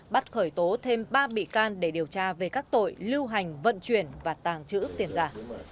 bắt khởi tố thêm ba bị can để điều tra về các tội lưu hành vận chuyển và tàng trữ tiền giả